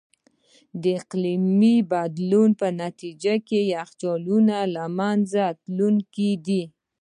د اقلیمي بدلون په نتیجه کې یخچالونه له منځه تلونکي دي.